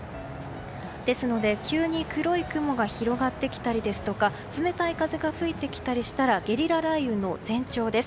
ですので、急に黒い雲が広がってきたりですとか冷たい風が吹いてきたりしたらゲリラ雷雨の前兆です。